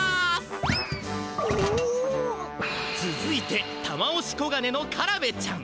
つづいてタマオシコガネのカラベちゃん。